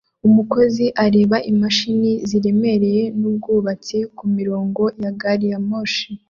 Umukozi areba imashini ziremereye nubwubatsi kumirongo ya gari ya moshi